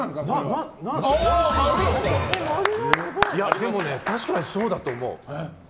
でも確かにそうだと思う。